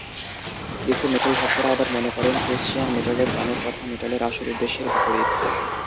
কিছু মেটাল ভক্তরা আবার মনে করে ক্রিস্টিয়ান মেটালের গানের কথা মেটালের আসল উদ্দেশ্যের বিপরীত।